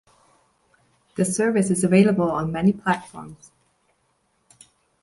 The service is available on many platforms.